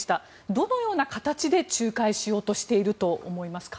どのような形で仲介しようとしていると思いますか。